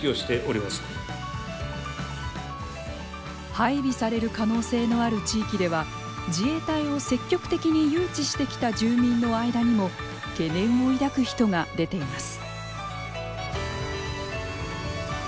配備される可能性のある地域では、自衛隊を積極的に誘致してきた住民の間にも懸念を抱く人が出ています。